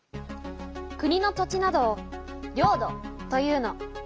国の土地などを領土というの。